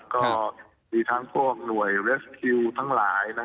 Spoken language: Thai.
ก็มีทั้งพวกหน่วยเรสคิวทั้งหลาย